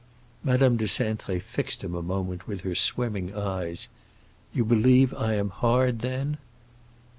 Madame de Cintré fixed him a moment with her swimming eyes. "You believe I am hard, then?"